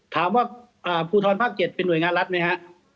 ถามว่าภูทรภาค๗เป็นหน่วยงานรัฐไหมฮะ